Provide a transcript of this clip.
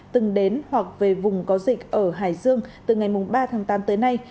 từng đến hoặc về vùng có dịch ở hải dương từ ngày ba tháng tám tới nay